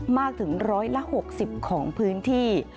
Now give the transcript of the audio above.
มากถึง๑๖๐ของพื้นที่